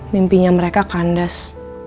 mimpinya mereka kandas